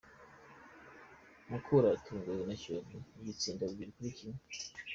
mukura yatunguwe na kiyovu iyitsinda bibiri kuri kimwe